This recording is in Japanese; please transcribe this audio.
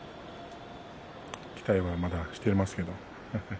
期待はまだしていますが。